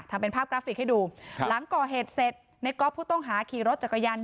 ทำเป็นภาพกราฟิกให้ดูหลังก่อเหตุเสร็จในก๊อฟผู้ต้องหาขี่รถจักรยาน